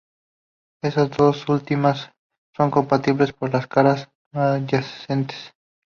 Estas dos últimas son compartidas por las caras adyacentes.